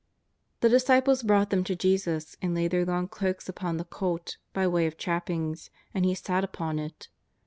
The disciples brought them to Jesus and laid their long cloaks upon the colt by way of trappings, and He sat upon it.